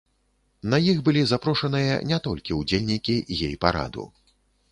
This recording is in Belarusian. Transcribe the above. На іх былі запрошаныя не толькі ўдзельнікі гей-прайду.